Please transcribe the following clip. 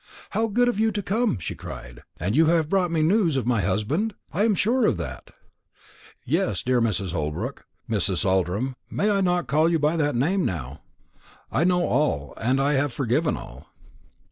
"How good of you to come!" she cried. "And you have brought me news of my husband? I am sure of that." "Yes, dear Mrs. Holbrook Mrs. Saltram; may I not call you by that name now? I know all; and have forgiven all."